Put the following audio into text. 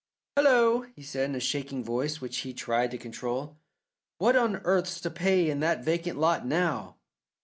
"Hullo!" he said in a shaking voice, which he tried to control. "What on earth's to pay in that vacant lot now?"